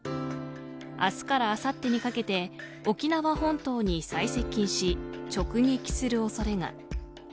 明日からあさってにかけて沖縄本島に最接近し直撃する恐れが。